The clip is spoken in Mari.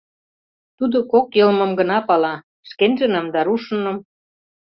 Тудо кок йылмым гына пала: шкенжыным да рушыным.